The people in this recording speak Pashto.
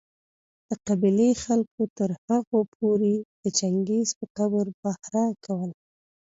د قبېلې خلکو تر هغو پوري د چنګېز په قبر پهره کوله